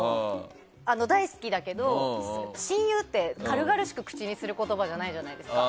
大好きだけど親友って軽々しく口にする言葉じゃないじゃないですか。